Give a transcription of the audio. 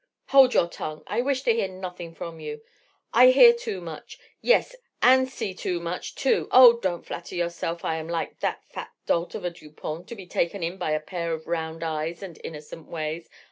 —" "Hold your tongue. I wish to hear nothing from you, I hear too much—yes, and see too much, too! Oh, don't flatter yourself I am like that fat dolt of a Dupont, to be taken in by a pair of round eyes and innocent ways.